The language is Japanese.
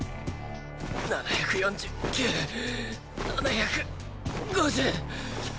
７４９７５０。